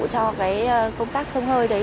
cho cái công tác sông hơi đấy